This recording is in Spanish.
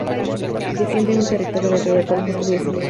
Defiende un territorio dentro del cual construye su nido.